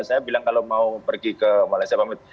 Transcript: saya bilang kalau mau pergi ke malaysia pamit